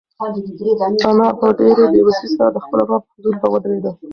انا په ډېرې بېوسۍ سره د خپل رب حضور ته ودرېده.